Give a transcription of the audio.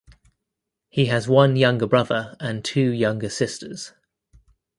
He has one younger brother and two younger sisters.